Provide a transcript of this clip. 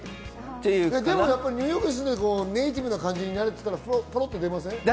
ニューヨークに住んでいて、ネイティブな感じになってたらポロッと出ません？